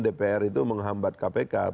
dpr itu menghambat kpk